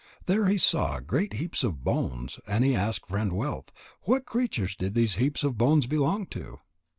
There he saw great heaps of bones, and he asked Friend wealth: "What creatures did these heaps of bones belong to?"